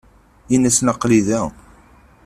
Ini-asen aql-i da.